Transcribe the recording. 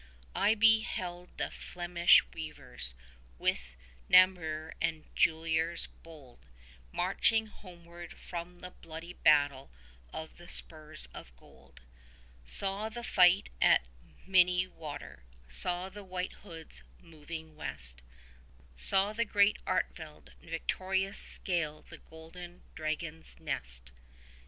I beheld the Flemish weavers, with Namur and Juliers bold, Marching homeward from the bloody battle of the Spurs of Gold; 30 Saw the fight at Minnewater, saw the White Hoods moving west, Saw great Artevelde victorious scale the Golden Dragon's nest.